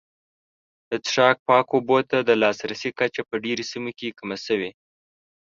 د څښاک پاکو اوبو ته د لاسرسي کچه په ډېرو سیمو کې کمه شوې.